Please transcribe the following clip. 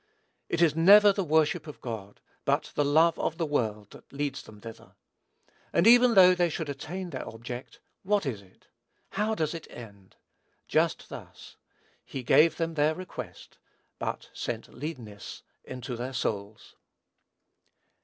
It is never the worship of God, but the love of the world that leads them thither. And even though they should attain their object, what is it? How does it end? Just thus: "He gave them their request, but sent leanness into their souls."